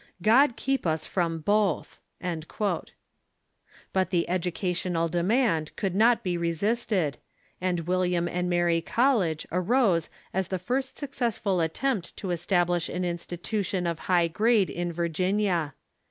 God keep us from both !" But the educational demand could not be resist ed, and "William and Mary College arose as the first successful attempt to establish an institution of high grade in Virginia.